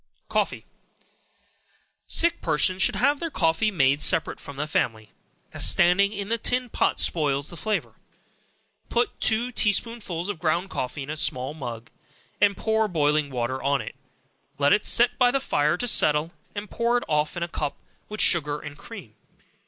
Coffee. Sick persons should have their coffee made separate from the family, as standing in the tin pot spoils the flavor. Put two tea spoonsful of ground coffee in a small mug, and pour boiling water on it; let it set by the fire to settle, and pour it off in a cup, with sugar and cream.